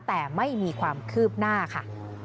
แต่ไม่มีความคืบหน้าค่ะ